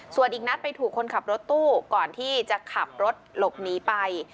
ส่วนอีกนัดไปถูกคนขับรถตู้ก่อนที่จะขับรถหลบหนีไป